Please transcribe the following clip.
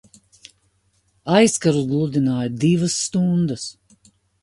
Aizkarus gludināju divas stundas!